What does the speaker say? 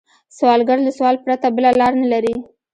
سوالګر له سوال پرته بله لار نه لري